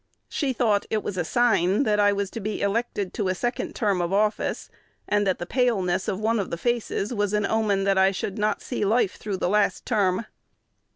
She thought it was 'a sign' that I was to be elected to a second term of office, and that the paleness of one of the faces was an omen that I should not see life through the last term."